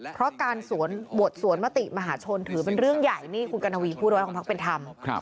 เพราะการสวนบทสวนมติมหาชนถือเป็นเรื่องใหญ่นี่คุณกัณฑวีพูดไว้ของพักเป็นธรรม